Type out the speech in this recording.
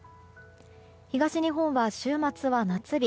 東日本は、週末は夏日。